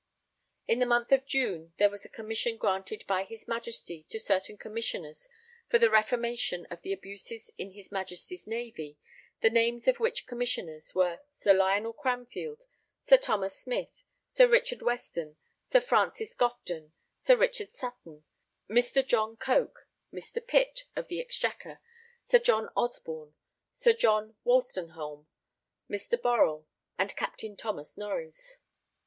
In the month of June there was a commission granted by his Majesty to certain Commissioners for the reformation of the abuses in his Majesty's Navy, the names of which Commissioners were Sir Lionel Cranfield, Sir Thomas Smith, Sir Richard Weston, Sir Francis Gofton, Sir Richard Sutton, Mr. John Coke, Mr. Pitt of the Exchequer, Sir John Osborne, Sir John Wolstenholme, Mr. Burrell, and Captain Thomas Norreys.